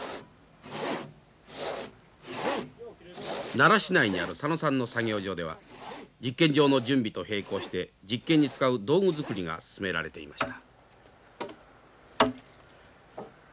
奈良市内にある左野さんの作業場では実験場の準備と並行して実験に使う道具作りが進められていました。